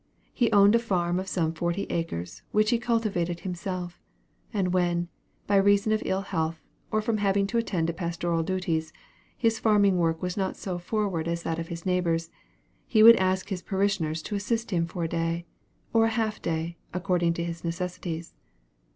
He owned a farm of some forty acres, which he cultivated himself; and when, by reason of ill health, or from having to attend to pastoral duties, his farming work was not so forward as that of his neighbors, he would ask his parishioners to assist him for a day, or a half day, according to his necessities.